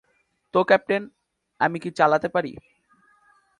তো ক্যাপ্টেন, আমি কি চালাতে পারি?